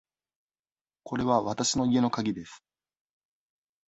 これはわたしの家のかぎです。